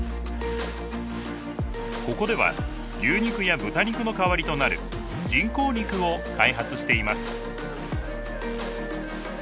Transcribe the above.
ここでは牛肉や豚肉の代わりとなる人工肉を開発しています。